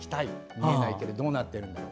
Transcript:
見えないけどどうなってるんだろう。